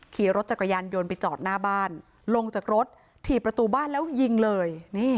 ขี่รถจักรยานยนต์ไปจอดหน้าบ้านลงจากรถถี่ประตูบ้านแล้วยิงเลย